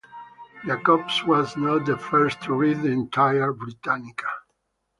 Jacobs was not the first to read the entire "Britannica".